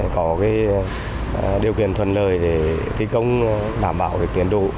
có điều kiện thuận lợi để thi công đảm bảo tiến độ